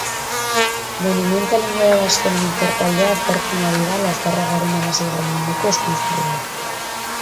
Monumenta Linguae Vasconum ikertaldea aztertzen ari da Lazarragaren hamaseigarren mendeko eskuizkribua.